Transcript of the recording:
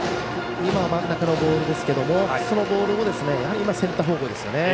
今は真ん中のボールですがそのボールをセンター方向ですよね。